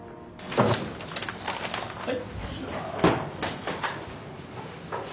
はい。